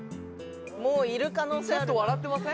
もういる可能性あるちょっと笑ってません？